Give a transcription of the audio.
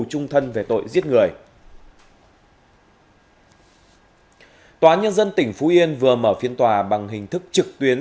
chung thân về tội giết người tòa nhân dân tỉnh phú yên vừa mở phiên tòa bằng hình thức trực tuyến